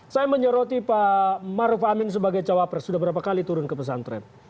saya menyoroti pak maruf amin sebagai cawapres sudah berapa kali turun ke pesantren